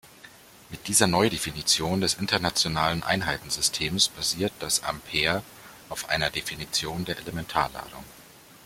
Mit dieser Neudefinition des Internationalen Einheitensystems basiert das Ampere auf einer Definition der Elementarladung.